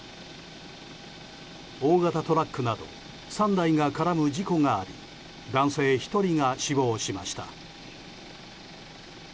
大型トラックなど３台が絡む事故があり男性１人が死亡しました。